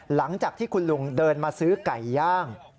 หลังจากที่คุณลุงเดินมาซื้อไก่ย่าง